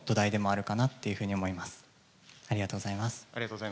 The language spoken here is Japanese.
ありがとうございます。